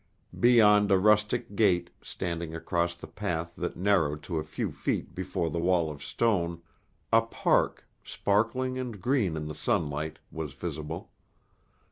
Beyond a rustic gate, standing across the path that narrowed to a few feet before the wall of stone, a park, sparkling and green in the sunlight, was visible.